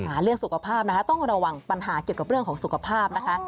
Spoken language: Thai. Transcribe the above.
เรื่องสุขภาพนะคะต้องระวังปัญหาเกี่ยวกับเรื่องของสุขภาพนะคะ